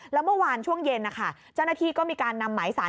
แล้วเมื่อวานช่วงเย็นนะคะเจ้าหน้าที่ก็มีการนำหมายสาร